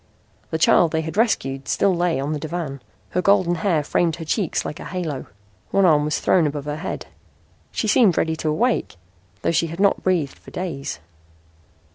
The child they had rescued still lay on the divan. Her golden hair framed her cheeks like a halo. One arm was thrown above her head. She seemed ready to awake, though she had not breathed for days.